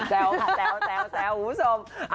แจ๊วแจ๊วแจ๊วหูสม